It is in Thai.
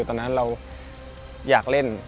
ตอนนั้นเราอยากเล่น